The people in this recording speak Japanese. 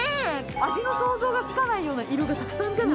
味の想像がつかないような色がたくさんじゃない？